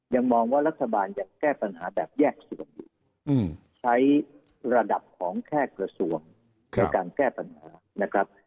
ยังมองว่ารัฐบาลยังแก้ปัญหาแบบแยกส่วนอยู่ใช้ระดับของแค่กระทรวงในการแก้ปัญหานะครับ